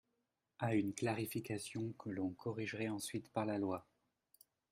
à une clarification que l’on corrigerait ensuite par la loi.